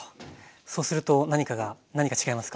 そうすると何か違いますか？